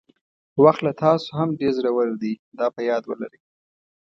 وخت له تاسو هم ډېر زړور دی دا په یاد ولرئ.